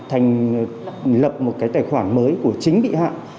thành lập một cái tài khoản mới của chính bị hại